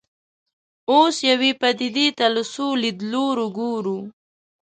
اوس یوې پدیدې ته له څو لیدلوریو ګورو.